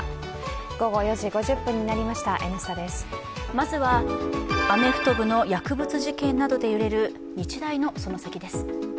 まずは、アメフト部の薬物事件などで揺れる日大のそのサキです。